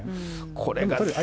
これが。